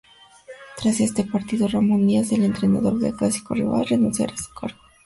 Tras este partido, Ramón Díaz, el entrenador del clásico rival, renunciaría a su cargo.